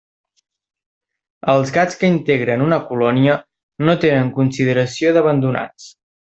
Els gats que integren una colònia no tenen consideració d'abandonats.